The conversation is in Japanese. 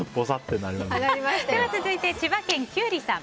続いて千葉県の方。